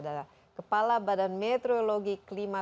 ekspedisi indonesia prima